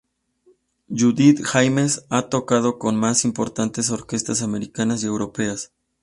Judith Jaimes ha tocado con las más importantes orquestas americanas y europeas.